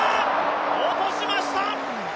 落としました。